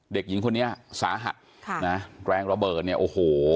เด็กหญิงคนนี้สาหัสค่ะนะแรงระเบิดเนี่ยโอ้โห